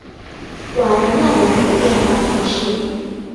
瓦德奈人口变化图示